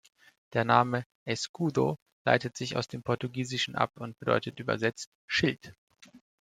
Der Name "Escudo" leitet sich aus dem Portugiesischen ab und bedeutet übersetzt Schild.